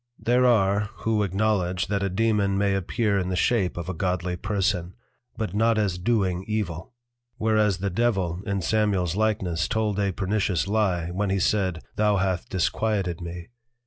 There are, who acknowledge that a Dæmon may appear in the shape of a Godly Person, But not as doing Evil. Whereas the Devil in Samuel's likeness told a pernicious Lye, when he said, _Thou hath disquieted me.